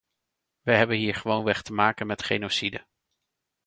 We hebben hier gewoonweg te maken met genocide.